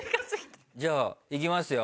じゃあいきますよ。